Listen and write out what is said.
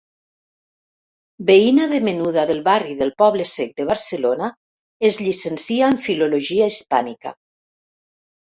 Veïna de menuda del barri del Poble-sec de Barcelona, es llicencia en Filologia Hispànica.